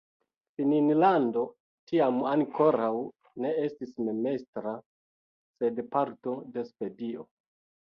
Finnlando tiam ankoraŭ ne estis memstara, sed parto de Svedio.